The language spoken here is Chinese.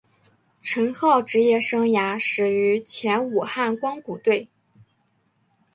陈浩职业生涯始于前武汉光谷队。